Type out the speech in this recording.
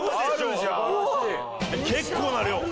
結構な量。